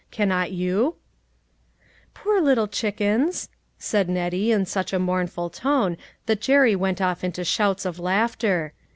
Cannot you ?"" Poor little chickens," said Nettie in such a mournful tone that Jerry went off into shouts of laughter.